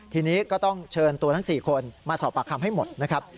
ทีนี้ก็ต้องเชิญตัวทั้ง๔คนมาสอบปากคำให้หมดนะครับ